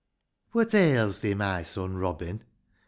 HAT ails thee, my son Robin